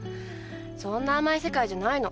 そんな甘い世界じゃないの。